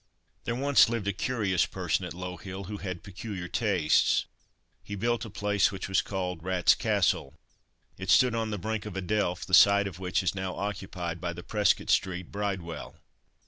There once lived a curious person at Low hill who had peculiar tastes. He built a place which was called "Rat's Castle." It stood on the brink of a delf, the site of which is now occupied by the Prescot street Bridewell.